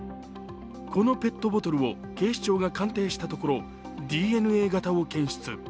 このペットボトルを警視庁が鑑定したところＤＮＡ型を検出。